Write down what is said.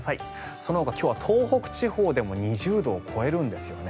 そのほか今日は東北地方でも２０度を超えるんですよね。